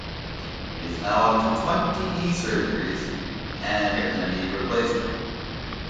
He is now up to twenty knee surgeries and a knee replacement.